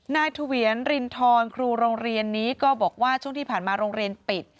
เถวียนรินทรครูโรงเรียนนี้ก็บอกว่าช่วงที่ผ่านมาโรงเรียนปิด